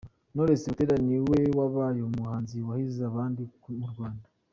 Knowless Butera ni we wabaye umuhanzi wahize abandi mu Rwanda.